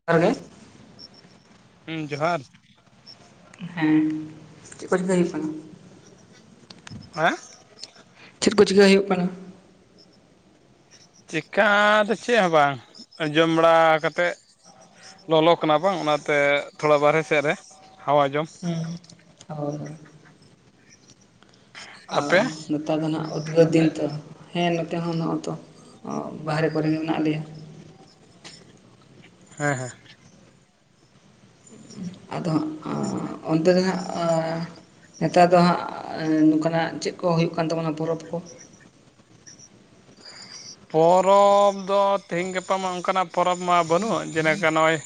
[unintelligible] ᱦᱩᱸ ᱡᱚᱦᱟᱨ ᱦᱮᱸ ᱪᱮᱜᱠᱚ ᱪᱤᱠᱟᱹ ᱦᱩᱭᱩᱜ ᱠᱟᱱᱟ? ᱟᱸ ᱪᱮᱫ ᱠᱚ ᱪᱤᱠᱟᱹ ᱦᱩᱭᱩᱜ ᱠᱟᱱᱟ? ᱪᱮᱠᱟ ᱫᱚ ᱪᱮᱜ ᱦᱚᱸ ᱵᱟᱝ ᱡᱚᱢ ᱵᱟᱲᱟ ᱠᱟᱛᱮᱫ ᱞᱚᱞᱚ ᱠᱟᱱᱟ ᱵᱟᱝ ᱚᱱᱟᱛᱮ ᱛᱷᱚᱲᱟ ᱵᱟᱨᱦᱮ ᱥᱮᱫ ᱨᱮ ᱦᱟᱣᱟ ᱡᱚᱢ᱾ ᱚ ᱚ ᱟᱯᱮ? ᱱᱮᱛᱟᱨ ᱫᱚ ᱱᱟᱦᱟᱜ ᱩᱫᱽᱜᱟᱹᱨ ᱫᱤᱱ ᱛᱚ ᱦᱮᱸ ᱱᱚᱛᱮ ᱦᱚᱸ ᱱᱚᱜᱼᱚᱭ ᱛᱚ ᱵᱟᱨᱦᱨᱮ ᱠᱚᱨᱮᱜᱮ ᱢᱮᱱᱟᱜ ᱞᱮᱭᱟ᱾ ᱦᱮᱸ ᱦᱮᱸ ᱟᱫᱚ ᱦᱟᱸ ᱟᱸ ᱚᱱᱛᱮ ᱫᱚ ᱦᱟᱸᱜ ᱟᱸ ᱱᱮᱛᱟᱨ ᱫᱚ ᱦᱟᱸᱜ ᱮᱸ ᱱᱚᱝᱠᱟᱱᱟᱜ ᱪᱮᱜ ᱠᱚ ᱦᱩᱭᱩᱜ ᱠᱟᱱ ᱛᱟᱵᱚᱱᱟ ᱯᱚᱨᱚᱵᱽ ᱠᱚ? ᱯᱚᱨᱚᱵᱽ ᱫᱚ ᱛᱤᱦᱤᱧ ᱜᱟᱯᱟ ᱢᱟ ᱚᱝᱠᱟᱱᱟᱜ ᱯᱚᱨᱚᱵᱽ ᱢᱟ ᱵᱟᱹᱱᱩᱜ ᱡᱮᱞᱮᱠᱟ ᱱᱚᱜᱼᱚᱭ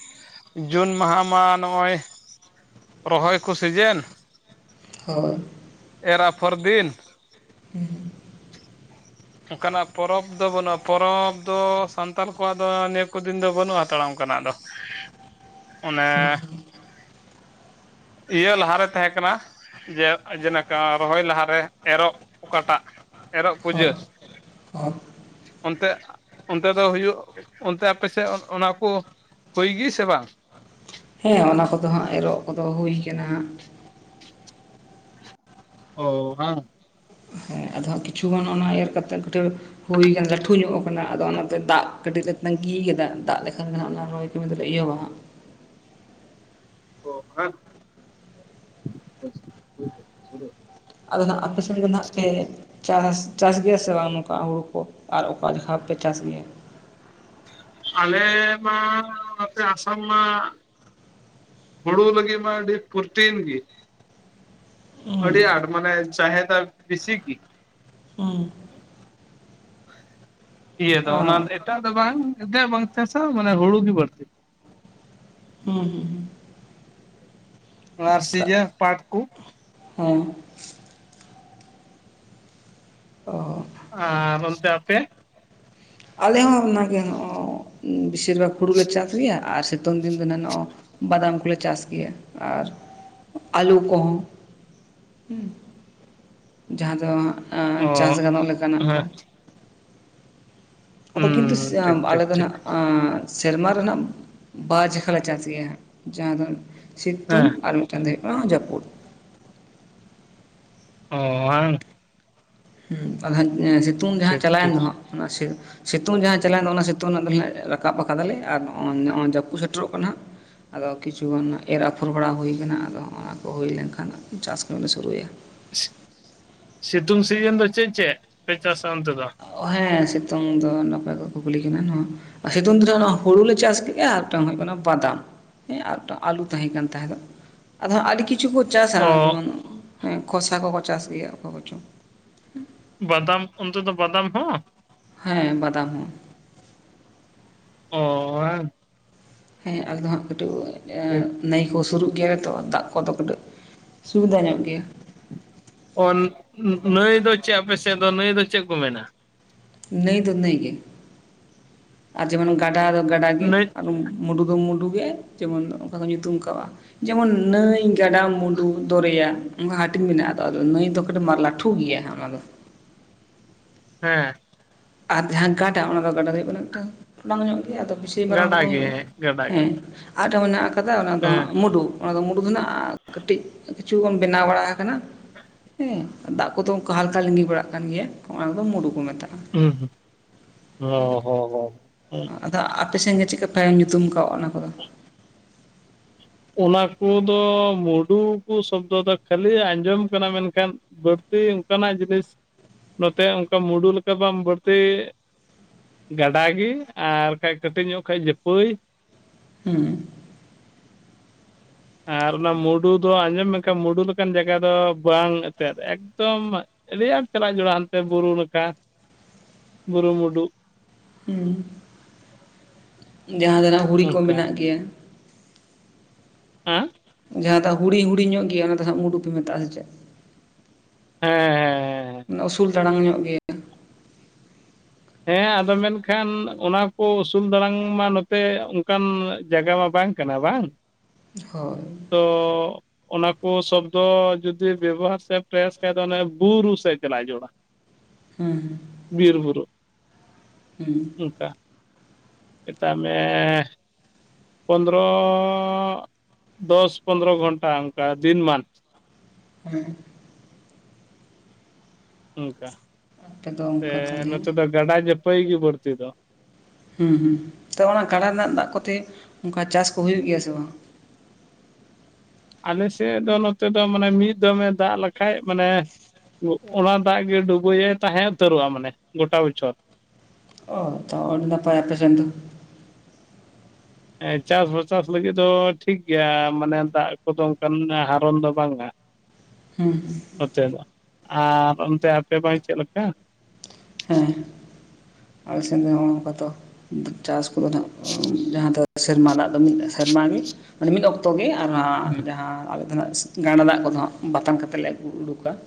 ᱡᱩᱱ ᱢᱟᱦᱟ ᱢᱟ ᱱᱚᱜᱼᱚᱭ ᱨᱚᱦᱚᱭ ᱠᱩ ᱥᱤᱡᱮᱱ᱾ ᱦᱳᱭ ᱮᱨ ᱟᱯᱷᱚᱨ ᱫᱤᱱ᱾ [inaudible] ᱚᱝᱠᱟᱱᱟᱜ ᱯᱚᱨᱚᱵᱽ ᱫᱚ ᱵᱟᱹᱱᱩᱜᱼᱟ, ᱯᱚᱨᱚᱵᱽ ᱫᱚ ᱥᱟᱱᱛᱟᱞ ᱠᱚᱣᱟᱜ ᱫᱚ ᱱᱤᱭᱟᱹ ᱠᱚ ᱫᱤᱱ ᱫᱚ ᱵᱟᱹᱱᱩᱜᱼᱟ ᱛᱟᱲᱟ ᱚᱝᱠᱟᱱᱟᱜ ᱫᱚ᱾ [inaudible] ᱚᱱᱮ ᱤᱭᱟᱹ ᱞᱟᱦᱟᱨᱮ ᱛᱟᱦᱮᱸ ᱠᱟᱱᱟ᱾ ᱡᱮ ᱡᱮᱱᱟᱠᱟ ᱨᱚᱦᱚᱭ ᱞᱟᱦᱟᱨᱮ ᱮᱨᱚᱜ ᱚᱠᱟᱴᱟᱜ ᱮᱨᱚᱜ ᱦᱳᱭ ᱯᱩᱡᱟᱹ᱾ ᱦᱳᱭ ᱚᱱᱛᱮ ᱚᱱᱛᱮ ᱫᱚ ᱦᱩᱭᱩᱜ ᱚᱱᱛᱮ ᱟᱯᱮᱥᱮᱜ ᱚᱱᱟ ᱠᱚ ᱦᱩᱭ ᱜᱤ ᱥᱮ ᱵᱟᱝ? ᱦᱮᱸ ᱚᱱᱟ ᱠᱚᱫᱚ ᱦᱟᱸᱜ ᱮᱨᱚᱜ ᱠᱚᱫᱚ ᱦᱩᱭ ᱠᱟᱱᱟ ᱦᱟᱸᱜ᱾ ᱚ ᱦᱟᱝ ᱦᱮᱸ ᱟᱫᱚ ᱦᱟᱸᱜ ᱠᱤᱷᱩ ᱜᱟᱱ ᱚᱱᱟ ᱮᱨ ᱠᱟᱛᱮᱫ ᱠᱟᱹᱴᱷᱟᱹ ᱦᱩᱭ ᱠᱟᱱᱟ ᱞᱟᱹᱴᱷᱩ ᱧᱚᱜ ᱟᱠᱟᱱᱟ ᱟᱫᱚ ᱚᱱᱟᱛᱮ ᱫᱟᱜ ᱠᱟᱹᱴᱤᱡ ᱞᱮ ᱛᱟᱺᱜᱤ ᱠᱟᱫᱟ ᱫᱟᱜ ᱞᱮᱠᱷᱟᱱ ᱚᱱᱟ ᱨᱚᱦᱚᱭ [unintelligible] ᱚ ᱱᱟ ᱟᱫᱚ ᱱᱟᱜ ᱟᱯᱮ ᱥᱮᱫ ᱫᱚ ᱱᱟᱜ ᱯᱮ ᱪᱟᱥ ᱪᱟᱥ ᱜᱮᱭᱟ ᱥᱮ ᱵᱟᱝ ᱱᱚᱝᱠᱟ ᱦᱩᱲᱩ ᱠᱚ ᱟᱨ ᱚᱠᱟ ᱡᱚᱠᱷᱟᱯᱮ ᱪᱟᱥ ᱜᱮᱭᱟ? ᱟᱞᱮ ᱢᱟ ᱱᱚᱛᱮ ᱟᱥᱟᱢ ᱢᱟ ᱦᱩᱲᱩ ᱞᱟᱹᱜᱤᱜ ᱢᱟ ᱟᱹᱰᱤ ᱯᱨᱚᱴᱤᱱ ᱜᱮ᱾ ᱟᱹᱰᱤ ᱦᱩᱸ ᱟᱸᱴ ᱢᱟᱱᱮ ᱪᱟᱦᱮᱫᱟ ᱵᱤᱥᱤ ᱜᱤ᱾ ᱩᱸ ᱤᱭᱟᱹ ᱫᱚ ᱚ ᱚᱱᱟ ᱮᱴᱟᱜ ᱫᱚ ᱵᱟᱝ ᱮᱛᱮᱜ ᱵᱟᱝ ᱪᱟᱥᱟ ᱢᱟᱱᱮ ᱦᱩᱲᱩ ᱜᱤ ᱵᱟᱹᱲᱛᱤ᱾ ᱦᱩᱸ ᱦᱩᱸ ᱦᱩᱸ ᱟᱨ ᱥᱤᱡᱟᱹ ᱯᱟᱴ ᱠᱩ ᱦᱮᱸ ᱚ ᱟᱨ ᱚᱱᱛᱮ ᱟᱯᱮ? ᱟᱞᱮ ᱦᱚᱸ ᱚᱱᱟᱜᱮ ᱵᱮᱥᱤᱨ ᱵᱷᱟᱜᱽ ᱦᱩᱲᱩ ᱞᱮ ᱪᱟᱥ ᱜᱮᱭᱟ᱾ ᱟᱨ ᱥᱤᱛᱩᱝ ᱫᱤᱱ ᱫᱚ ᱱᱟᱜ ᱵᱟᱫᱟᱢ ᱠᱚᱞᱮ ᱪᱟᱥ ᱜᱮᱭᱟ᱾ ᱟᱨ ᱟᱹᱞᱩ ᱠᱚᱦᱚᱸ ᱦᱩᱸ ᱡᱟᱦᱟᱸ ᱫᱚ ᱦᱟᱸᱜ ᱟᱸ ᱚ ᱪᱟᱥ ᱜᱟᱱᱚᱜ ᱞᱮᱠᱟᱱᱟᱜ ᱠᱚ᱾ ᱦᱮᱸ ᱟᱫᱚ ᱠᱤᱱᱛᱩ ᱦᱩᱸ ᱥᱮᱢ ᱴᱷᱤᱠ ᱟᱞᱮ ᱴᱷᱤᱠ ᱫᱚ ᱴᱷᱤᱠ ᱱᱟᱜ ᱟᱸ ᱥᱮᱨᱢᱟ ᱨᱮᱱᱟᱜ ᱵᱟᱪᱮᱠᱷᱟ ᱞᱮ ᱪᱟᱥ ᱜᱮᱭᱟ ᱡᱟᱦᱟᱸ ᱫᱚ ᱥᱤᱛᱩᱝ ᱦᱮᱸ ᱟᱨ ᱢᱤᱫ ᱴᱟᱝ ᱫᱚ ᱦᱩᱭᱩᱜ ᱠᱟᱱᱟ ᱡᱟᱯᱩᱫ᱾ ᱚᱣᱟᱝ ᱟᱫᱚ ᱦᱟᱸᱜ ᱥᱤᱛᱩᱝ ᱡᱟᱦᱟᱸ ᱴᱷᱤᱠ ᱪᱟᱞᱟᱣᱮᱱ ᱴᱷᱤᱠ ᱫᱚ ᱦᱟᱸᱜ ᱚᱱᱟ ᱥᱮ ᱥᱤᱛᱩᱝ ᱡᱟᱦᱟᱸ ᱪᱟᱞᱟᱣᱮᱱ ᱫᱚ ᱚᱱᱟ ᱥᱤᱛᱩᱝ ᱨᱮᱱᱟᱜ ᱫᱚ ᱨᱟᱠᱟᱵ ᱠᱟᱫᱟᱞᱮ ᱟᱨ ᱱᱚᱜᱼᱚ ᱱᱚᱜᱼᱚᱭ ᱡᱟᱹᱯᱩ ᱥᱮᱴᱮᱨᱚᱜ ᱠᱟᱱᱟ ᱦᱟᱸᱜ᱾ ᱟᱫᱚ ᱠᱤᱪᱷᱩ ᱜᱟᱱ ᱮᱨ ᱟᱯᱷᱚᱨ ᱵᱟᱲᱟ ᱦᱩᱭ ᱠᱟᱱᱟ ᱟᱫᱚ ᱚᱱᱟ ᱠᱚ ᱦᱩᱭ ᱞᱮᱱ ᱠᱷᱟᱱ ᱪᱟᱥ ᱠᱟᱹᱢᱤ ᱞᱮ ᱥᱩᱨᱩᱭᱟ᱾ ᱥᱤᱛᱩᱝ ᱥᱤᱡᱤᱱ ᱫᱚ ᱪᱮᱜ ᱪᱮᱜ ᱯᱮ ᱪᱟᱥᱟ ᱚᱱᱛᱮ ᱫᱚ? ᱦᱮᱸ ᱥᱤᱛᱩᱝ ᱫᱚ ᱱᱟᱯᱟᱭ ᱠᱚ ᱠᱩᱠᱞᱤ ᱠᱟᱱᱟ ᱦᱮᱸ᱾ ᱥᱤᱛᱩᱝ ᱫᱤᱱ ᱨᱮ ᱚᱱᱟ ᱦᱩᱲᱩ ᱞᱮ ᱪᱟᱥ ᱠᱮᱜᱼᱟ ᱢᱤᱫᱴᱟᱝ ᱦᱩᱭᱩᱜ ᱠᱟᱱᱟ ᱵᱟᱫᱟᱢ᱾ ᱦᱮᱸ ᱟᱨ ᱤᱴᱟ ᱟᱞᱩ ᱛᱟᱦᱮᱸ ᱠᱟᱱ ᱛᱟᱦᱮᱸ ᱫᱚ ᱟᱫᱚ ᱟᱹᱰᱤ ᱠᱤᱪᱷᱩ ᱠᱚ ᱪᱟᱥᱟ ᱚ ᱡᱮᱢᱚᱱ ᱦᱮᱸ ᱠᱚᱥᱟ ᱠᱚᱠᱚ ᱪᱟᱥ ᱜᱮᱭᱟ ᱚᱠᱟ ᱠᱚᱪᱚᱝ᱾ ᱵᱟᱫᱟᱢ ᱚᱱᱛᱮ ᱫᱚ ᱵᱟᱫᱟᱢ ᱦᱚᱸ᱾ ᱦᱮᱸ, ᱵᱟᱫᱟᱢ ᱦᱚᱸ᱾ ᱚ᱾ ᱠᱚᱣᱟ ᱦᱮᱸ ᱟᱞᱮ ᱫᱚ ᱦᱟᱸᱜ ᱠᱟᱴᱩ ᱮᱸ ᱴᱷᱤᱠ ᱱᱟᱹᱭ ᱠᱚ ᱥᱩᱨᱩᱜ ᱜᱮᱭᱟᱞᱮ ᱛᱚ ᱫᱟᱜ ᱠᱚᱫᱚ, ᱠᱟᱹᱴᱤᱡ ᱥᱩᱵᱤᱫᱟ ᱧᱚᱜ ᱜᱮᱭᱟ ᱾ ᱚ ᱱᱤ-ᱱᱤ-ᱱᱟᱹᱭ ᱫᱚ ᱪᱮ ᱟᱯᱮ ᱥᱮ ᱫᱚ ᱱᱟᱹᱭ ᱫᱚ ᱪᱮᱜ ᱠᱚ ᱢᱮᱱᱟ? ᱱᱟᱹᱭ ᱫᱚ ᱱᱟᱹᱭ ᱜᱮ, ᱟᱨ ᱡᱮᱢᱚᱱ ᱜᱟᱰᱟ ᱫᱚ ᱜᱟᱰᱟ ᱜᱮ ᱱᱟᱹᱭ ᱟᱨ ᱱᱤ ᱢᱩᱰᱩ ᱫᱚ ᱢᱩᱰᱩ ᱜᱮ ᱡᱮᱢᱚᱱ ᱚᱱᱠᱟ ᱠᱚ ᱧᱩᱛᱩᱢ ᱠᱟᱣᱟᱜ᱾ ᱡᱮᱢᱚᱱ ᱱᱟᱹᱭ, ᱜᱟᱰᱟ, ᱢᱩᱰᱩ, ᱫᱚᱨᱭᱟ ᱚᱱᱠᱟ ᱦᱟᱹᱴᱤᱧ ᱢᱮᱱᱟᱜᱼᱟ ᱟᱫᱚ ᱱᱟᱹᱭ ᱫᱚ ᱠᱚᱫᱚ ᱢᱟᱞᱟ ᱴᱷᱩ ᱜᱮᱭᱟ ᱦᱟ ᱚᱱᱟ ᱫᱚ᱾ ᱦᱮᱸ᱾ ᱟᱨ ᱡᱟᱦᱟᱸ ᱜᱟᱰᱟ ᱚᱱᱟ ᱫᱚ ᱜᱟᱰᱟ ᱦᱩᱭᱩᱜ ᱠᱟᱱᱟ ᱢᱤᱴᱟᱝ ᱵᱟᱝ ᱧᱚᱜ ᱜᱮ ᱫᱚ ᱵᱩᱡᱷ ᱛᱤᱱ ᱢᱟᱨᱟᱝ ᱜᱟᱰᱟ ᱠᱚᱫᱚ ᱜᱮ ᱦᱩᱭᱩᱜᱼᱟ ᱦᱮᱸ ᱜᱟᱰᱟ ᱜᱮ ᱦᱮᱸ ᱟᱨ ᱢᱤᱴᱟᱝ ᱢᱮᱱᱟᱜ ᱟᱠᱟᱫᱟ ᱚᱱᱟ ᱫᱚ ᱦᱮᱸ ᱦᱟᱸᱜ ᱢᱩᱰᱩ᱾ ᱚᱱᱟ ᱫᱚ ᱢᱩᱰᱩ ᱢᱮᱱᱟᱜᱼᱟ ᱠᱟᱹᱴᱤᱡ ᱠᱤᱪᱷᱩ ᱜᱟᱱ ᱵᱮᱱᱟᱣ ᱵᱟᱲᱟ ᱟᱠᱟᱱᱟ᱾ ᱦᱩᱸ ᱫᱟᱜ ᱠᱚᱫᱚ ᱚᱱᱠᱟ ᱦᱟᱞᱠᱟ ᱞᱤᱸᱜᱤ ᱵᱟᱲᱟᱜ ᱠᱟᱱ ᱜᱮᱭᱟ ᱚᱱᱟ ᱫᱚ ᱢᱩᱰᱩ ᱠᱚ ᱢᱮᱛᱟᱜ-ᱟ᱾ ᱦᱩᱸ ᱦᱩᱸ ᱚ ᱦᱚ ᱦᱚ ᱦᱩᱸ᱾ ᱟᱫᱚ ᱟᱯᱮ ᱥᱮᱱ ᱜᱮ ᱪᱤᱜᱠᱟ ᱯᱮ ᱧᱩᱛᱩᱢ ᱠᱟᱣᱟᱜ ᱚᱱᱟ ᱠᱚᱫᱚ? ᱚᱱᱟ ᱠᱩᱫᱚ ᱢᱩᱰᱩ ᱠᱩ ᱥᱚᱵᱫᱚ ᱫᱚ ᱠᱷᱟᱹᱞᱤ ᱟᱸᱡᱚᱢ ᱠᱟᱱᱟ ᱢᱮᱱᱠᱷᱟᱱ ᱵᱟᱹᱲᱛᱤ ᱚᱱᱠᱟᱱᱟᱜ ᱡᱤᱱᱤᱥ ᱱᱚᱛᱮ ᱚᱱᱠᱟ ᱢᱩᱰᱩ ᱞᱮᱠᱟ ᱵᱟᱢ ᱵᱟᱹᱲᱛᱤ ᱜᱟᱰᱟ ᱜᱮ ᱟᱨ ᱠᱷᱟᱡ ᱠᱟᱹᱴᱤᱡ ᱧᱚᱜ ᱠᱷᱟᱱ ᱡᱟᱹᱯᱟᱹᱭ᱾ ᱦᱩᱸ᱾ ᱟᱨ ᱚᱱᱟ ᱢᱩᱰᱩ ᱫᱚ ᱟᱸᱡᱚᱢ ᱢᱮᱠᱷᱟ ᱢᱩᱰᱩ ᱞᱮᱠᱟᱱ ᱡᱟᱭᱜᱟ ᱫᱚ ᱵᱟᱝ ᱮᱛᱮᱫ ᱮᱠᱫᱚᱢ ᱟᱹᱰᱤ ᱟᱸᱴ ᱪᱟᱞᱟᱜ ᱡᱩᱲᱩᱲᱟ ᱦᱟᱱᱛᱮ ᱵᱩᱨᱩ ᱱᱟᱠᱟ ᱵᱩᱨᱩ ᱢᱩᱰᱩ᱾ ᱦᱩᱸ ᱡᱟᱦᱟᱸ ᱨᱮᱱᱟᱜ ᱦᱩᱲᱤ ᱠᱚ ᱚᱱᱠᱟ ᱢᱮᱱᱟᱜ ᱜᱮᱭᱟ᱾ ᱟᱸ᱾ ᱡᱟᱦᱟᱸ ᱫᱚ ᱦᱩᱲᱤ ᱦᱩᱲᱤ ᱧᱚᱜ ᱜᱮᱭᱟ ᱚᱱᱟ ᱫᱚ ᱦᱟᱜ ᱢᱩᱰᱩ ᱯᱮ ᱢᱮᱛᱟᱜᱼᱟ ᱥᱮ ᱪᱮᱫ? ᱦᱮᱸ ᱱᱟ ᱩᱥᱩᱞ ᱫᱟᱲᱟᱝ ᱧᱚᱜ ᱜᱮ᱾ ᱦᱮᱸ, ᱟᱫᱚ ᱢᱮᱱᱠᱷᱟᱱ ᱚᱱᱟ ᱠᱚ ᱩᱥᱩᱞ ᱫᱟᱲᱟᱝ ᱢᱟ ᱱᱚᱛᱮ ᱚᱱᱠᱟᱱ ᱡᱟᱭᱜᱟ ᱢᱟ ᱵᱟᱝ ᱠᱟᱱᱟ ᱵᱟᱝ? ᱦᱳᱭ᱾ ᱛᱚ ᱚᱱᱟ ᱠᱳ ᱥᱚᱵᱫᱚ ᱡᱩᱫᱤ ᱵᱮᱵᱚᱦᱟᱨ ᱥᱮ ᱯᱨᱮᱥ ᱠᱷᱟᱡ ᱫᱚ ᱚᱱᱮ ᱵᱩᱨᱩ ᱥᱮᱫ ᱪᱟᱞᱟᱜᱟ ᱡᱩᱲᱩᱲᱟ᱾ ᱦᱩᱸ᱾ ᱵᱤᱨ ᱵᱩᱨᱩ᱾ ᱦᱩᱸ᱾ ᱩᱱᱠᱟ᱾ ᱮᱴᱟᱜ ᱢᱮ ᱯᱚᱱᱫᱨᱚ ᱫᱚᱥ ᱯᱚᱱᱫᱨᱚ ᱜᱷᱚᱱᱴᱟ ᱚᱱᱠᱟ ᱫᱤᱱ ᱢᱟᱱᱛᱷ᱾ ᱦᱮᱸ᱾ ᱩᱱᱠᱟ ᱟᱯᱮ ᱫᱚ ᱮ ᱚᱱᱠᱟ ᱛᱟᱦᱚᱞᱮ ᱱᱚᱛᱮ ᱫᱚ ᱜᱟᱰᱟ ᱡᱟᱹᱯᱟᱹᱭ ᱜᱮ ᱵᱟᱹᱲᱛᱤ ᱫᱚ᱾ ᱦᱩᱸ, ᱦᱩᱸ, ᱛᱚ ᱚᱱᱟ ᱜᱟᱰᱟ ᱨᱮᱱᱟᱜ ᱫᱟᱜ ᱠᱚᱛᱮ ᱚᱱᱠᱟ ᱪᱟᱥ ᱠᱚ ᱦᱩᱭᱩᱜ ᱜᱮᱭᱟ ᱥᱮ ᱵᱟᱝ? ᱟᱞᱮ ᱥᱮ ᱫᱚ ᱱᱚᱛᱮ ᱫᱚ ᱢᱟᱱᱮ ᱢᱤᱫ ᱫᱚᱢᱮ ᱫᱟᱜ ᱞᱮᱠᱷᱟᱡ ᱢᱟᱱᱮ [inaudible] ᱚᱱᱟ ᱫᱟᱜ ᱜᱮ ᱰᱩᱜᱩᱭᱮ ᱛᱟᱦᱮᱸ ᱩᱛᱟᱹᱨᱚᱜᱼᱟ ᱢᱟᱱᱮ ᱜᱚᱴᱟ ᱵᱚᱪᱷᱚᱨ᱾ ᱚ ᱛᱚ ᱚᱱᱱᱟᱛᱮ ᱟᱯᱮ ᱥᱮᱱ ᱫᱚ ᱪᱟᱥ ᱵᱟᱪᱟᱥ ᱞᱟᱹᱜᱤᱫ ᱫᱚ ᱴᱷᱤᱠ ᱜᱮᱭᱟ ᱢᱟᱱᱮ ᱫᱟᱜ ᱠᱚᱫᱚ ᱚᱱᱠᱟᱱ ᱦᱟᱨᱚᱱ ᱫᱚ ᱵᱟᱝ ᱦᱩᱸ ᱪᱮᱫᱚᱜ-ᱟ ᱟᱨ ᱚᱱᱛᱮ ᱟᱯᱮ ᱵᱟᱦᱤ ᱪᱮᱫ ᱞᱮᱠᱟ? ᱦᱮᱸ ᱟᱞᱮ ᱥᱮᱱ ᱫᱚ ᱱᱚᱝᱠᱟ ᱛᱚ ᱪᱟᱥ ᱠᱚᱫᱚ ᱱᱟᱦᱟᱜ ᱡᱟᱦᱟᱸ ᱫᱚ ᱥᱮᱨᱢᱟ ᱫᱟᱜ ᱫᱚ ᱢᱤᱫ ᱥᱮᱨᱢᱟ ᱜᱮ ᱢᱟᱱᱮ ᱢᱤᱫ ᱚᱠᱛᱚ ᱜᱮ ᱟᱨ ᱦᱟᱸᱜ ᱡᱟᱦᱟᱸ ᱜᱟᱰᱟ ᱫᱟᱜ ᱠᱚᱫᱚ ᱦᱟᱸᱜ ᱵᱟᱛᱟᱱ ᱠᱟᱛᱮᱫ ᱞᱮ ᱟᱹᱜᱩ ᱩᱰᱩᱠᱟ ᱾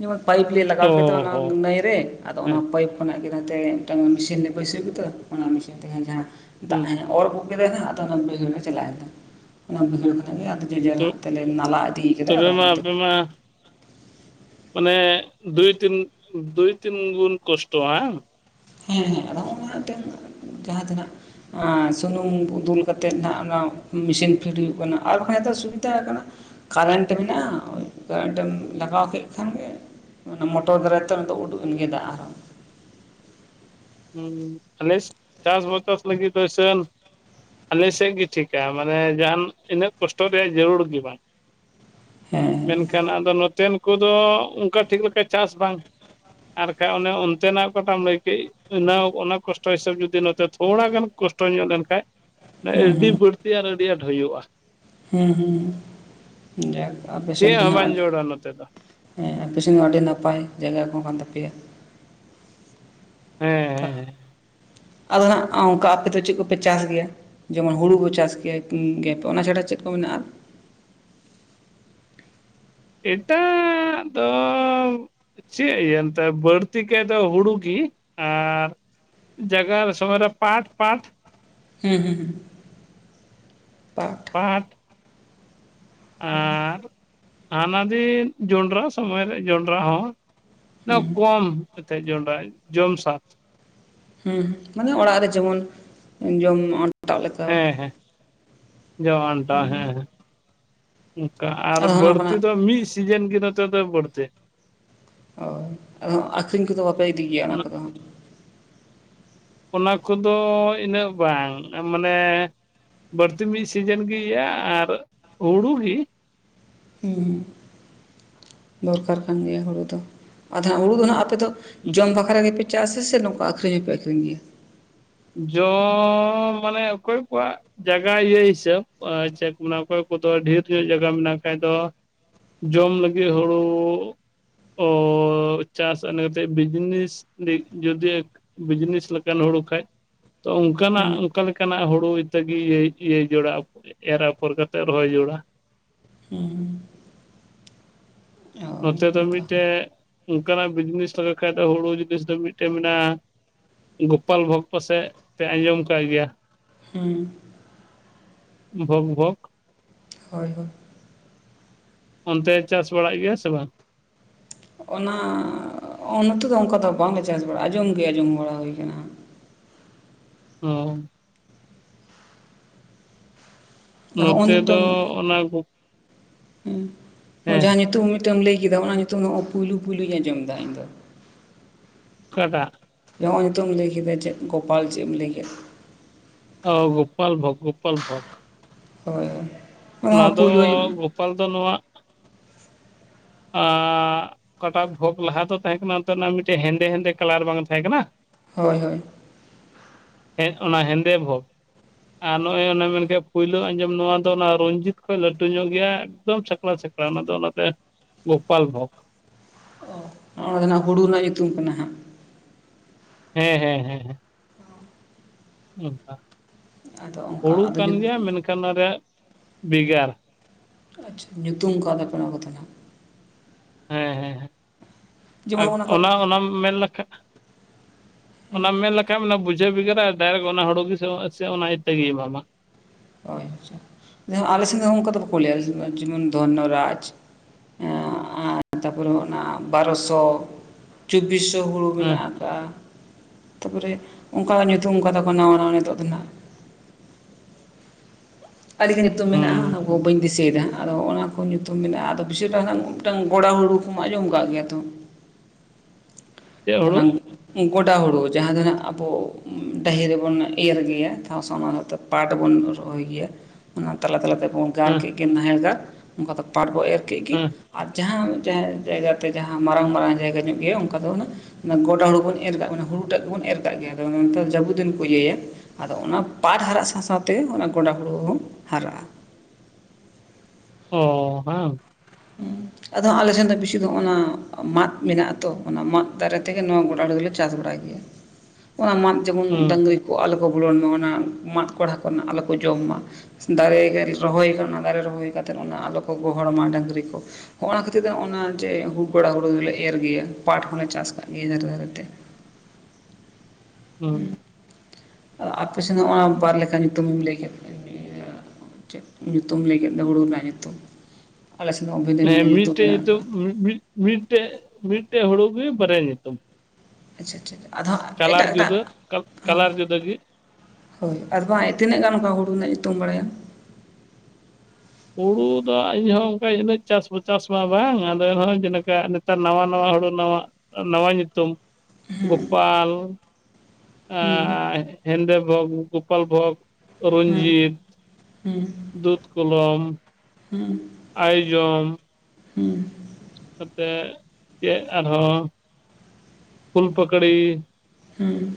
ᱡᱮᱢᱚᱱ ᱯᱟᱭᱤᱯ ᱞᱮ ᱞᱟᱜᱟᱣ ᱚ ᱠᱮᱫ ᱫᱚ ᱚᱱᱟ ᱦᱚᱸ ᱱᱟᱹᱭᱨᱮ ᱨᱮ ᱟᱫᱚ ᱚᱱᱟ ᱦᱮᱸ ᱯᱟᱭᱤᱯ ᱠᱷᱚᱱᱟᱜ ᱜᱮ ᱱᱚᱛᱮ ᱢᱤᱫᱴᱟᱝ ᱢᱮᱥᱤᱱ ᱞᱮ ᱵᱟᱹᱭᱥᱟᱹᱣ ᱠᱮᱫᱟ ᱚᱱᱟ ᱢᱮᱥᱤᱱ ᱛᱮᱜᱮ ᱡᱟᱦᱟᱸ ᱫᱟᱜ ᱚᱨ ᱟᱹᱜᱩ ᱠᱮᱫᱟᱭ ᱦᱟᱜ ᱟᱫᱚ ᱚᱱᱟ ᱵᱟᱹᱭᱦᱟᱹᱲ ᱨᱮ ᱪᱟᱞᱟᱭᱮᱱ ᱜᱮ ᱚᱱᱟ ᱵᱟᱹᱭᱦᱟᱹᱲ ᱜᱮ ᱟᱫᱚ ᱡᱮ ᱡᱮᱞ ᱦᱟᱜ ᱛᱮᱞᱮ ᱱᱟᱞᱟ ᱤᱫᱤ ᱠᱟᱫᱟ ᱛᱚᱵᱮ ᱟᱫᱚ ᱢᱟ ᱚᱱᱟᱛᱮ ᱢᱟ ᱵᱚᱞᱮ ᱵᱟᱹᱫᱽ ᱨᱮᱱ ᱵᱟᱹᱫᱽ ᱨᱮ ᱵᱚ ᱠᱚᱥᱴᱚᱜ-ᱟ ᱦᱮᱸ ᱦᱮᱸ ᱱᱚᱜ-ᱱᱚᱣᱟ ᱮᱛᱮᱫ ᱡᱟᱸᱦᱟ ᱛᱤᱱᱟᱹᱜ ᱟᱨ ᱥᱩᱱᱩᱢ ᱫᱩᱞ ᱠᱟᱛᱮᱫ ᱦᱟᱸᱜ ᱚᱱᱟ ᱢᱮᱥᱤᱱ ᱯᱷᱤᱨᱤ ᱟᱠᱟᱱᱟ ᱟᱨ ᱵᱟᱠᱷᱟᱱ ᱫᱚ ᱥᱩᱵᱤᱫᱷᱟ ᱟᱠᱟᱱᱟ ᱾ ᱠᱟᱨᱮᱱᱴ ᱢᱮᱱᱟᱜᱼᱟ ᱠᱟᱨᱮᱱᱴᱮᱢ ᱞᱟᱜᱟᱣ ᱠᱮᱫ ᱠᱷᱟᱱᱜᱮ ᱢᱚᱴᱚᱨ ᱫᱟᱨᱟᱭᱛᱮ ᱩᱰᱩᱠ ᱮᱱᱜᱮ ᱫᱟᱜ ᱟᱨᱦᱚ [unintelligible] ᱟᱞᱮ ᱥᱮᱫ ᱜᱮ ᱴᱷᱤᱠᱟ ᱢᱟᱱᱮ ᱡᱟᱦᱟᱱ ᱤᱱᱟᱹᱜ ᱠᱚᱥᱴᱚ ᱨᱮᱭᱟᱜ ᱡᱟᱹᱨᱩᱲ ᱜᱮ ᱵᱟᱝ ᱦᱮᱸ ᱢᱮᱱᱠᱷᱟᱱ ᱟᱫᱚ ᱱᱚᱛᱮᱱ ᱠᱩ ᱫᱚ ᱚᱱᱠᱟ ᱴᱷᱤᱠ ᱞᱮᱠᱟ ᱪᱟᱥ ᱵᱟᱝ ᱟᱨᱠᱷᱟᱡ ᱚᱱᱮ ᱚᱱᱛᱮᱱᱟᱜ ᱚᱠᱟᱴᱟᱢ ᱞᱟᱹᱭ ᱠᱮᱫ ᱚᱱᱟ ᱚᱱᱟ ᱠᱚᱥᱴᱚ ᱦᱤᱥᱟᱹᱵ ᱡᱩᱫᱤ ᱱᱚᱛᱮ ᱛᱷᱚᱲᱟ ᱜᱟᱱ ᱠᱚᱥᱴᱚ ᱧᱚᱜ ᱞᱮᱱᱠᱷᱟᱡ ᱦᱮᱸ ᱟᱹᱰᱤ ᱦᱩᱸ ᱵᱟᱹᱲ ᱛᱮᱭᱟᱨ ᱟᱹᱰᱤ ᱟᱸᱴ ᱦᱩᱭᱩᱜᱼᱟ ᱦᱩᱸ ᱦᱩᱸ ᱡᱟᱠ ᱟᱯᱮ ᱥᱮᱫ ᱪᱮᱫ ᱫᱚ ᱦᱚᱸ ᱱᱟᱸᱜ ᱵᱟᱝ ᱦᱮᱸ ᱡᱚᱲᱟ ᱱᱚᱛᱮ ᱫᱚ ᱟᱯᱮ ᱥᱮᱱ ᱢᱟ ᱟᱹᱰᱤ ᱱᱟᱯᱟᱭ ᱡᱟᱭᱜᱟ ᱠᱚ ᱠᱟᱱ ᱛᱟᱯᱮᱭᱟ᱾ ᱦᱮᱸ ᱦᱮᱸ ᱦᱮᱸ ᱟᱫᱚ ᱦᱟᱸᱜ ᱚᱱᱠᱟ ᱟᱯᱮ ᱫᱚ ᱪᱮᱫ ᱠᱚᱯᱮ ᱪᱟᱥ ᱜᱮᱭᱟ? ᱡᱮᱢᱚᱱ ᱦᱩᱲᱩ ᱠᱩ ᱪᱟᱥ ᱠᱤᱭᱟ ᱠᱤ ᱜᱮᱛᱚ ᱚᱱᱟ ᱪᱷᱟᱲᱟ ᱪᱮᱫ ᱠᱚ ᱢᱮᱱᱟᱜᱼᱟ? ᱮᱴᱟᱜᱻ ᱫᱚᱻ ᱪᱮᱫ ᱤᱭᱟᱹ ᱮᱱᱛᱮ ᱵᱟᱹᱲᱛᱤ ᱠᱟᱭ ᱫᱚ ᱦᱩᱲᱩ ᱜᱤ ᱟᱨ ᱡᱟᱜᱟᱨ ᱥᱚᱢᱚᱭ ᱨᱮ ᱯᱟᱴ ᱯᱟᱴ ᱦᱩᱸ ᱦᱩᱸ ᱯᱟᱴ ᱯᱟᱴ [inaudible] ᱦᱟᱱᱟ ᱫᱤᱱ ᱡᱚᱸᱰᱨᱟ ᱥᱚᱢᱚᱭ ᱨᱮ ᱡᱚᱸᱰᱨᱟ ᱦᱚᱸ ᱦᱩᱸ ᱠᱚᱢ ᱮᱱᱛᱮᱫ ᱡᱚᱸᱰᱨᱟ ᱡᱚᱢ ᱥᱟᱛ᱾ ᱦᱩᱸ ᱢᱟᱱᱮ ᱚᱲᱟᱜ ᱨᱮ ᱡᱮᱢᱚᱱ ᱡᱚᱢ ᱚᱱᱴᱟᱜ ᱞᱮᱠᱟ᱾ ᱦᱮᱸ ᱦᱮᱸ ᱡᱚᱢ ᱟᱱᱴᱟᱜ ᱦᱮᱸ ᱦᱮᱸ ᱚᱝᱠᱟ ᱟᱨ ᱟᱫᱚ ᱦᱚᱸᱜ ᱵᱟᱹᱲᱛᱤ ᱱᱚᱝᱠᱟᱱᱟᱜ ᱫᱚ ᱢᱤᱫ ᱥᱤᱡᱮᱱ ᱜᱮ ᱱᱚᱛᱮ ᱫᱚ ᱵᱟᱹᱲᱛᱤ᱾ ᱦᱚᱭ ᱟᱫᱚ ᱦᱟᱜ ᱟᱠᱷᱨᱤᱧ ᱠᱚ ᱫᱚ ᱵᱟᱯᱮ ᱤᱫᱤ ᱜᱮᱭᱟ ᱚᱱᱟ ᱠᱚᱫᱚ? ᱚᱱᱟ ᱠᱚᱫᱚ ᱤᱱᱟᱹᱜ ᱵᱟᱝ ᱢᱟᱱᱮ ᱵᱟᱹᱲᱛᱤ ᱢᱤᱫ ᱥᱤᱡᱤᱱ ᱜᱮ ᱤᱭᱟᱹᱜᱼᱟ ᱟᱨ ᱦᱩᱲᱩ ᱜᱤ ᱾ ᱦᱩᱸ ᱦᱩᱸ ᱫᱚᱨᱠᱟᱨ ᱠᱟᱱ ᱜᱮᱭᱟ ᱦᱩᱲᱩ ᱫᱚ ᱟᱫᱚ ᱦᱟᱸᱜ ᱦᱩᱲᱩ ᱫᱚ ᱦᱟᱸᱜ ᱟᱯᱮ ᱫᱚ ᱡᱚᱢ ᱵᱟᱠᱷᱨᱟ ᱜᱮᱯᱮ ᱪᱟᱥᱟ ᱥᱮ ᱱᱚᱝᱠᱟ ᱟᱹᱠᱷᱨᱤᱧ ᱦᱚᱸᱯᱮ ᱟᱠᱷᱨᱤᱧ ᱜᱮᱭᱟ? ᱡᱚᱻᱢᱟᱱᱮ ᱚᱠᱚᱭ ᱠᱚᱣᱟᱜ ᱡᱟᱭᱜᱟ ᱤᱭᱟᱹ ᱦᱤᱥᱟᱹᱵᱽ ᱪᱮᱫ ᱠᱚ ᱢᱮᱱᱟ ᱚᱠᱚᱭ ᱠᱚᱫᱚ ᱰᱷᱮᱨ ᱧᱚᱜ ᱡᱟᱭᱜᱟ ᱢᱮᱱᱟᱜ ᱠᱷᱟᱡ ᱫᱚ ᱡᱚᱢ ᱞᱟᱹᱜᱤᱫ ᱦᱩᱲᱩ ᱳᱻ ᱪᱟᱥ ᱚᱱᱟ ᱠᱟᱛᱮᱜ ᱵᱤᱡᱽᱱᱮᱥ ᱫᱤᱠ ᱡᱩᱫᱤ ᱵᱤᱡᱽᱱᱮᱥ ᱞᱮᱠᱟᱱ ᱦᱩᱲᱩ ᱠᱷᱟᱡ ᱛᱚ ᱚᱱᱠᱟᱱᱟᱜ ᱦᱩᱸ ᱚᱠᱟ ᱞᱮᱠᱟᱱᱟᱜ ᱦᱩᱲᱩ ᱤᱛᱟᱹᱜᱮ ᱤᱭᱟᱹᱭ ᱡᱚᱲᱟ ᱮᱨ ᱟᱯᱷᱚᱨ ᱠᱟᱛᱮᱫ ᱨᱚᱦᱚᱭ ᱡᱳᱲᱟ ᱾ ᱦᱩᱸ ᱚ ᱱᱚᱛᱮ ᱫᱚ ᱢᱤᱫ ᱚᱱᱠᱟ ᱴᱮᱡ ᱚᱱᱠᱟᱱᱟᱜ ᱵᱤᱡᱽᱱᱤᱥ ᱞᱮᱠᱷᱟᱡ ᱫᱚ ᱦᱩᱲᱩ ᱡᱤᱱᱤᱥ ᱫᱚ ᱢᱤᱫ ᱴᱮᱱ ᱢᱮᱱᱟᱜᱼᱟ᱾ ᱜᱳᱯᱟᱞ ᱵᱷᱚᱠᱛᱚ ᱥᱮᱫ ᱯᱮ ᱟᱸᱡᱚᱢ ᱟᱠᱟᱫ ᱜᱮᱭᱟ? ᱦᱩᱸ ᱵᱷᱚᱠ ᱵᱷᱚᱠ ᱦᱳᱭ ᱦᱳᱭ ᱚᱱᱛᱮ ᱪᱟᱥ ᱵᱟᱲᱟᱭ ᱜᱮᱭᱟ ᱥᱮ ᱵᱟᱝ? ᱚᱱᱟ ᱱᱚᱛᱮ ᱫᱚ ᱚᱱᱠᱟ ᱫᱚ ᱵᱟᱝᱞᱮ ᱪᱟᱥ ᱵᱟᱲᱟᱜᱼᱟ ᱟᱸᱡᱚᱢ ᱜᱮ ᱟᱸᱡᱚᱢ ᱵᱟᱲᱟ ᱦᱩᱭ ᱠᱟᱱᱟ ᱦᱩᱸ ᱟᱫᱚ ᱦᱚᱸᱜᱼᱚ ᱱᱚᱛᱮ ᱫᱚ ᱚᱱᱟ ᱦᱮᱸ ᱡᱟᱦᱟᱸ ᱧᱩᱛᱩᱢ ᱢᱤᱫ ᱴᱮᱱ ᱮᱢ ᱞᱟᱹᱭ ᱠᱮᱫᱟ ᱚᱱᱟ ᱧᱩᱛᱩᱢ ᱫᱚ ᱯᱩᱭᱞᱳ ᱯᱩᱭᱞᱩᱧ ᱟᱸᱡᱚᱢ ᱫᱟ ᱤᱧ ᱫᱚ ᱚᱠᱟᱴᱟᱜ ᱱᱚᱜᱼᱚᱭ ᱧᱩᱛᱩᱢ ᱮᱢ ᱞᱟᱹᱭ ᱠᱮᱫᱟ ᱪᱮᱫ ᱜᱳᱯᱟᱞ ᱪᱮᱫ ᱮᱢ ᱞᱟᱹᱭ ᱠᱮᱫᱟ ᱚ ᱜᱳᱯᱟᱞ ᱵᱷᱚᱠ ᱜᱳᱯᱟᱞ ᱵᱷᱚᱠ᱾ ᱦᱳᱭ ᱦᱳᱭ ᱚᱱᱟ ᱫᱚ ᱜᱳᱯᱟᱞ ᱫᱚ ᱱᱚᱣᱟ ᱟ ᱚᱠᱟᱴᱟ ᱵᱷᱳᱜ ᱞᱟᱦᱟ ᱫᱚ ᱛᱟᱦᱮᱸ ᱠᱟᱱᱟ ᱚᱱᱛᱮ ᱨᱮᱱᱟᱜ ᱢᱤᱫ ᱴᱮᱱ ᱦᱮᱸᱫᱮ ᱦᱮᱸᱫᱮ ᱠᱟᱞᱟᱨ ᱵᱟᱝ ᱛᱟᱦᱮᱸ ᱠᱟᱱᱟ ᱦᱳᱭ ᱦᱳᱭ ᱦᱮᱸ ᱚᱱᱟ ᱦᱮᱸᱫᱮ ᱵᱷᱳᱜᱽ ᱟᱨ ᱱᱚᱜᱼᱚᱭ ᱚᱱᱮ ᱢᱮᱱᱠᱮ ᱯᱳᱭᱞᱳ ᱟᱸᱡᱚᱢ ᱱᱚᱣᱟ ᱫᱚ ᱚᱱᱟ ᱨᱚᱧᱡᱤᱛ ᱠᱷᱚᱱ ᱞᱟᱹᱴᱩ ᱧᱚᱜ ᱜᱮᱭᱟ ᱮᱠᱫᱚᱢ ᱪᱷᱠᱞᱟᱶ ᱪᱷᱠᱞᱟᱶ ᱚᱱᱟ ᱫᱚ ᱚᱱᱟᱛᱮ ᱜᱳᱯᱟᱞ ᱵᱷᱚᱜᱽ ᱚᱱᱟ ᱫᱚ ᱱᱟᱜ ᱦᱩᱲᱩ ᱨᱮᱱᱟᱜ ᱧᱩᱛᱩᱢ ᱠᱟᱱᱟ ᱦᱟᱸᱜ ᱦᱮᱸ ᱦᱮᱸ ᱦᱮᱸ ᱦᱸ ᱟᱫᱚ ᱚᱱᱠᱟ ᱦᱩᱲᱩ ᱟᱫᱚ ᱠᱟᱱ ᱜᱮᱭᱟ ᱧᱩᱛᱩᱢ ᱢᱮᱱᱠᱷᱟᱱ ᱚᱱᱟ ᱨᱮᱭᱟᱜ ᱵᱷᱮᱜᱟᱨ᱾ ᱟᱪᱪᱷᱟ ᱧᱩᱛᱩᱢ ᱠᱚᱣᱫᱟᱯᱮ ᱚᱱᱟ ᱠᱟᱛᱷᱟ ᱴᱟᱜ᱾ ᱦᱮᱸ ᱦᱮᱸ ᱡᱮᱢᱚᱱ ᱟᱨ ᱠᱚ ᱚᱱᱟ ᱚᱱᱟᱢ ᱢᱮᱱ ᱞᱮᱠᱷᱟ ᱚᱱᱟ ᱢᱮᱱ ᱞᱮᱠᱷᱟᱱ ᱚᱱᱟ ᱵᱩᱡᱷᱟᱹᱣ ᱵᱷᱜᱟᱨᱟ ᱰᱟᱭᱨᱮᱠᱴ ᱚᱱᱟ ᱦᱩᱲᱩ ᱜᱮ ᱥᱮ ᱥᱮ ᱚᱱᱟ ᱤᱛᱟᱹ ᱜᱮᱭ ᱮᱢᱟᱢᱟ ᱟᱪᱪᱷᱟ ᱟᱞᱮ ᱥᱮᱱ ᱫᱚ ᱚᱱᱠᱟ ᱫᱚ ᱵᱟᱝ ᱠᱚ ᱞᱟᱹᱭᱼᱟ ᱡᱮᱢᱚᱱ ᱫᱷᱚᱱᱱᱚ ᱨᱟᱡ ᱛᱟᱯᱚᱨᱮ ᱚᱱᱟ ᱵᱟᱨᱚᱥᱚ ᱪᱚᱵᱵᱤᱥᱚ ᱦᱩᱲᱩ ᱦᱮᱸ ᱢᱮᱱᱟᱜ ᱟᱠᱟᱜᱼᱟ᱾ ᱛᱟᱨᱯᱚᱨᱮ ᱚᱱᱠᱟ ᱧᱩᱛᱩᱢ ᱠᱟᱫᱟ ᱠᱚ ᱱᱟᱣᱟ ᱱᱟᱣᱟ ᱱᱤᱛᱚᱜᱱᱟ᱾ ᱟᱹᱰᱤ ᱜᱤ ᱧᱩᱛᱩᱢ ᱢᱮᱱᱟᱜᱼᱟ ᱦᱩᱸ ᱵᱟᱹᱧ ᱫᱤᱥᱟᱹᱭᱮᱫᱟ ᱟᱫᱚ ᱚᱱᱟ ᱠᱚ ᱧᱩᱛᱩᱢ ᱢᱮᱱᱟᱜᱼᱟ ᱟᱫᱚ ᱵᱮᱥᱤᱨ ᱵᱷᱟᱜᱽ ᱢᱤᱫ ᱴᱟᱝ ᱜᱚᱲᱟ ᱦᱩᱲᱩ ᱠᱚᱢ ᱟᱸᱡᱚᱢ ᱠᱟᱫ ᱜᱮᱭᱟ ᱛᱚ? ᱪᱮᱫ ᱦᱩᱲᱩ ᱚᱱᱟ ᱜᱚᱰᱟ ᱦᱩᱲᱩ ᱡᱟᱦᱟᱸ ᱫᱚ ᱱᱟᱦᱟᱜ ᱟᱵᱚ ᱰᱟᱹᱦᱤ ᱨᱮᱵᱚᱱ ᱮᱨ ᱜᱮᱭᱟ ᱛᱷᱚ ᱥᱚ ᱦᱚᱛᱚ ᱯᱟᱴ ᱵᱚᱱ ᱨᱚᱦᱚᱭ ᱜᱮᱭᱟ ᱚᱱᱟ ᱛᱟᱞᱟ ᱛᱟᱞᱟ ᱛᱮᱵᱚᱱ᱾ ᱜᱟᱨ ᱦᱮᱸ ᱠᱮᱫ ᱜᱮ ᱱᱟᱦᱮᱞ ᱜᱟᱨ ᱱᱚᱝᱠᱟ ᱫᱚ ᱯᱟᱴ ᱵᱚ ᱮᱨ ᱠᱮᱫ ᱜᱮ ᱦᱮᱸ ᱟᱨ ᱡᱟᱦᱟᱸ ᱡᱟᱦᱟᱸ ᱡᱟᱭᱜᱟᱛᱮ ᱡᱟᱦᱟᱸ ᱢᱟᱨᱟᱝ ᱢᱟᱨᱟᱝ ᱡᱟᱭᱜᱟ ᱧᱚᱜ ᱜᱮᱭᱟ ᱚᱱᱠᱟ ᱫᱚ ᱚᱱᱟ ᱜᱚᱰᱟ ᱦᱩᱲᱩ ᱵᱚᱱ ᱮᱨ ᱠᱟᱜ ᱦᱩᱲᱩ ᱴᱟᱜ ᱜᱮᱵᱚᱱ ᱮᱨ ᱠᱟᱜ ᱜᱮᱭᱟ ᱟᱫᱚ ᱱᱮᱛ ᱫᱚ ᱡᱟᱹᱵᱩᱫᱤᱱ ᱠᱚ ᱤᱭᱟᱹᱭᱟ ᱟᱫᱚ ᱚᱱᱟ ᱯᱟᱴ ᱦᱟᱨᱟᱜ ᱥᱟᱣ ᱥᱟᱣᱛᱮ ᱚᱱᱟ ᱜᱚᱰᱟ ᱦᱩᱲᱩ ᱦᱚ ᱦᱟᱨᱟᱜᱼᱟ ᱚ ᱦᱟᱝ ᱩ ᱟᱫᱚ ᱟᱞᱮᱥᱮᱱ ᱫᱚ ᱵᱮᱥᱤ ᱫᱚ ᱦᱚᱸᱚᱱᱟ ᱢᱟᱫ ᱢᱮᱱᱟᱜ ᱟᱛᱚ ᱚᱱᱟ ᱢᱟᱫ ᱫᱟᱨᱮ ᱛᱮᱜᱮ ᱱᱚᱣᱟ ᱜᱚᱰᱟ ᱦᱩᱲᱩ ᱫᱚᱞᱮ ᱪᱟᱥ ᱵᱟᱲᱟᱭ ᱜᱮᱭᱟ᱾ ᱚᱱᱟ ᱢᱟᱫ ᱡᱮᱢᱚᱱ ᱦᱩᱸ ᱰᱟᱝᱨᱤ ᱠᱚ ᱟᱞᱚ ᱠᱚ ᱵᱚᱞᱚᱱ ᱢᱟ ᱚᱱᱟ ᱢᱟᱫ ᱠᱚᱦᱚᱲᱟ ᱠᱚᱨᱮᱱᱟᱜ ᱟᱞᱚ ᱠᱚ ᱡᱚᱢ ᱢᱟ᱾ ᱫᱟᱨᱮ ᱱᱟᱹᱲᱤ ᱨᱚᱦᱚᱭ ᱠᱟᱱᱟ ᱚᱱᱟ ᱫᱟᱨᱮ ᱨᱚᱦᱚᱭ ᱠᱟ ᱠᱟᱛᱮᱫ ᱚᱱᱟ ᱟᱞᱚ ᱠᱚ ᱜᱚᱦᱚᱲᱢᱟ ᱰᱟᱹᱝᱨᱤ ᱠᱚ᱾ ᱦᱚᱸ ᱱᱟ ᱠᱷᱟᱹᱛᱤᱨ ᱛᱮ ᱦᱚᱸ ᱚᱱᱟ ᱡᱮ ᱦᱩ ᱜᱚᱲᱟ ᱦᱩᱲᱩ ᱫᱚᱞᱮ ᱮᱨ ᱜᱮᱭᱟ ᱯᱟᱴ ᱦᱚᱸᱞᱮ ᱪᱟᱥ ᱠᱟᱜ ᱜᱮᱭᱟ ᱫᱷᱟᱨᱮ ᱫᱷᱟᱨᱮ ᱛᱮ᱾ ᱦᱩ ᱟᱯᱮ ᱥᱮᱮᱫ ᱦᱚᱸ ᱚᱱᱟ ᱵᱟᱨ ᱞᱮᱠᱟ ᱧᱩᱛᱩᱢᱮᱢ ᱞᱟᱹᱭ ᱠᱮᱫ ᱤᱭᱟᱹ᱾ ᱪᱮᱫ ᱧᱩᱛᱩᱢ ᱞᱮᱭ ᱠᱮᱫ ᱫᱚ ᱦᱩᱲᱩ ᱨᱮᱱᱟᱜ ᱧᱩᱛᱩᱢ? ᱟᱞᱮ ᱥᱮᱫ ᱫᱚ ᱵᱷᱤᱛ ᱦᱮᱸ ᱢᱤᱫᱴᱮᱡ ᱧᱩᱛᱩᱢ ᱢᱤᱫ ᱢᱤᱫᱴᱮᱱ ᱢᱤᱫᱴᱮᱱ ᱦᱩᱲᱩᱜ ᱜᱮ ᱵᱟᱨᱭᱟ ᱧᱩᱛᱩᱢ ᱾ ᱟᱪᱪᱷᱟ ᱴᱷᱤᱠ, ᱟᱫᱚ ᱦᱟᱸᱜ ᱮᱴᱟᱜ ᱮᱴᱟᱜ ᱡᱩᱫᱟᱹ ᱠᱟᱞᱟᱨ ᱦᱚᱸ- ᱡᱩᱫᱟᱹ ᱜᱮ ᱦᱳᱭ, ᱟᱨ ᱵᱟᱝ ᱛᱤᱱᱟᱹᱜ ᱜᱟᱱ ᱚᱱᱠᱟ ᱦᱩᱲᱩ ᱨᱮᱱᱟᱜ ᱧᱩᱛᱩᱢ ᱵᱟᱲᱟᱭᱟ? ᱦᱩᱲᱩ ᱫᱚ [unintelligible] ᱚᱱᱠᱟ ᱤᱱᱟᱹᱜ ᱪᱟᱥ ᱠᱚ ᱪᱟᱥ ᱢᱟ ᱵᱟᱝ ᱟᱫᱚ ᱮᱱᱦᱚᱸ ᱡᱮᱞᱠᱟ ᱾ ᱱᱟᱣᱟ ᱱᱟᱣᱟ ᱦᱩᱲᱩ ᱱᱟᱣᱟ ᱱᱟᱣᱟ ᱧᱩᱛᱩᱢ ᱜᱳᱯᱟᱞ ᱾ ᱦᱩᱸ ᱟ ᱦᱮᱱᱫᱮ ᱵᱟᱵᱩ, ᱜᱳᱯᱟᱞ ᱵᱷᱳᱜ ᱾ ᱦᱩᱸ, ᱦᱩᱸ, ᱫᱩᱫᱷ ᱠᱚᱞᱚᱢ ᱦᱩᱸ ᱾ ᱟᱭᱡᱚᱢ᱾ ᱦᱩᱸ ᱾ ᱱᱚᱛᱮ ᱪᱮᱫ ᱟᱨᱦᱚᱸ ᱯᱷᱩᱞ ᱯᱟᱹᱠᱚᱲᱤ ᱾ ᱦᱩᱸ ᱾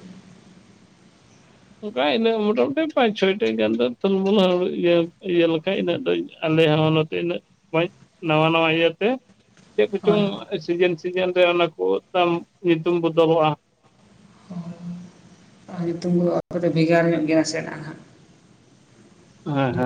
ᱚᱱᱠᱟ ᱤᱱᱟᱹᱜ ᱢᱚᱴᱟᱢᱩᱴᱤ ᱯᱟᱸᱪ ᱪᱷᱚᱭᱚᱴᱤ ᱜᱟᱱ ᱫᱚ ᱛᱩᱞᱢᱩᱞ ᱦᱩᱭᱩᱜ ᱤᱭᱟᱹ ᱞᱮᱠᱷᱟᱡ ᱤᱱᱟᱹᱜ ᱫᱚ ᱾ ᱟᱞᱮ ᱦᱚᱸ ᱱᱚᱛᱮᱱᱟᱹᱜ ᱢᱚᱡᱽ ᱱᱟᱣᱟ ᱱᱟᱣᱟ ᱤᱭᱟᱹᱛᱮ ᱾ ᱪᱮᱫ ᱦᱳᱭ ᱠᱚᱪᱚᱝ ᱥᱤᱡᱮᱱ ᱥᱤᱡᱮᱱ ᱨᱮ ᱚᱱᱟ ᱠᱚ ᱛᱟᱢ ᱧᱩᱛᱩᱢ ᱵᱚᱫᱚᱞᱚᱜᱼᱟ? ᱚ ᱧᱩᱛᱩᱢ ᱫᱚ ᱠᱚᱫᱚ ᱵᱷᱮᱜᱟᱨ ᱧᱚᱜ ᱜᱮᱭᱟ ᱥᱮ ᱦᱟᱸᱜ ᱾ ᱦᱮᱸ ᱦᱮᱸ ᱾